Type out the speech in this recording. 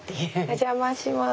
お邪魔します。